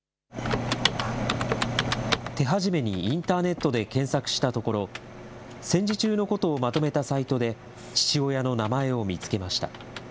手始めにインターネットで検索したところ、戦時中のことをまとめたサイトで、父親の名前を見つけました。